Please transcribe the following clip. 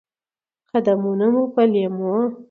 قدمونه مو په لېمو،